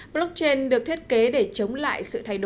blockchain được thiết kế để chống lại sự thay đổi